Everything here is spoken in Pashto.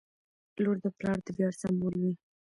• لور د پلار د ویاړ سمبول وي.